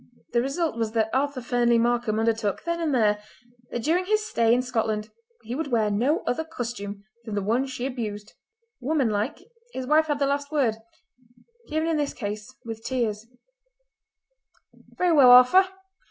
The result was that Arthur Fernlee Markam undertook, then and there, that during his stay in Scotland he would wear no other costume than the one she abused. Woman like his wife had the last word—given in this case with tears: "Very well, Arthur!